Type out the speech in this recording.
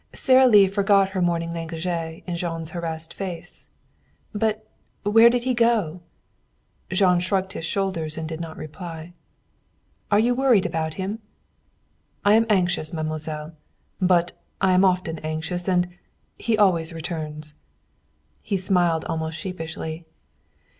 Sara Lee forgot her morning negligée in Jean's harassed face. "But where did he go?" Jean shrugged his shoulders and did not reply. "Are you worried about him?" "I am anxious, mademoiselle. But I am often anxious; and he always returns." He smiled almost sheepishly.